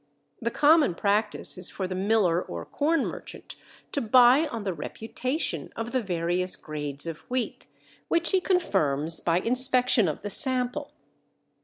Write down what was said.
The common practice is for the miller or corn merchant to buy on the reputation of the various grades of wheat, which he confirms by inspection of the sample.